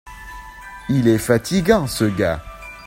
Il est fatigant ce gars.